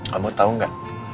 kamu tahu gak